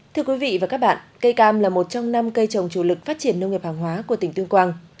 thưa quý vị và các bạn cây cam là một trong năm cây trồng chủ lực phát triển nông nghiệp hàng hóa của tỉnh tuyên quang